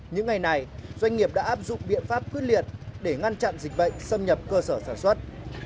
những ngày này doanh nghiệp đã áp dụng biện pháp quyết liệt để ngăn chặn dịch bệnh xâm nhập cơ sở sản xuất